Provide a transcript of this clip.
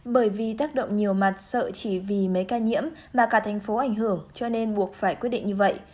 bởi vì tác động nhiều mặt sợ chỉ vì mấy ca nhiễm mà cả thành phố ảnh hưởng cho nên buộc phải quyết định như vậy